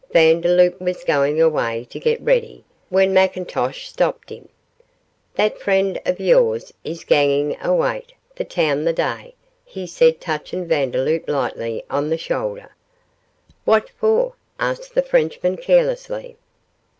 Vandeloup was going away to get ready, when McIntosh stopped him. 'That friend o' yours is gangin' awa' t' the toun the day,' he said, touching Vandeloup lightly on the shoulder. 'What for?' asked the Frenchman, carelessly.